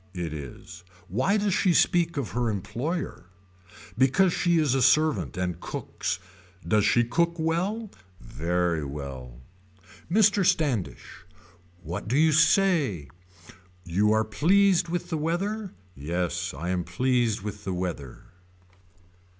It is. Why does she speak of her employer. Because she is a servant and cooks. Does she cook well. Very well. Mr. Standish. What do you say. You are pleased with the weather. Yes I am pleased with the weather.